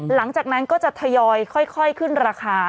หลังจากนั้นก็จะทยอยค่อยขึ้นราคา